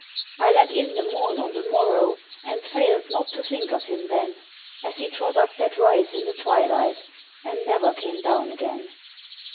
I let in the morn on the morrow, And failed not to think of him then, As he trod up that rise in the twilight, And never came down again.